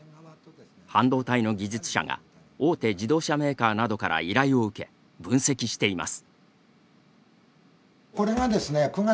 半導体の技術者が大手自動車メーカーなどから依頼を受け、分析しています。